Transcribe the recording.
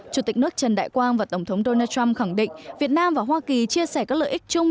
chủ tịch nước trần đại quang và tổng thống donald trump khẳng định việt nam và hoa kỳ chia sẻ các lợi ích chung